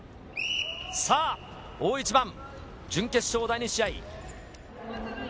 大一番、準決勝第２試合。